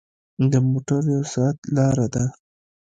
د موټر یو ساعت لاره ده.